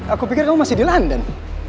aku pikir kamu masih di london